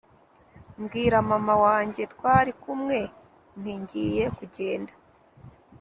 mbwira mama wanjye twari kumwe nti ngiye kugenda